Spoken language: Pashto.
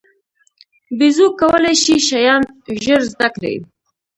بیزو کولای شي شیان ژر زده کړي.